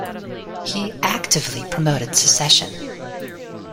He actively promoted secession.